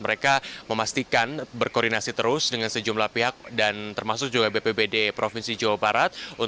mereka memastikan berkoordinasi terus dengan sejumlah pihak dan termasuk juga bpbd provinsi jawa barat